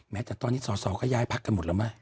แม้แต่ตอนนี้สอดก็ย้ายพักกันหมดหรือเปล่า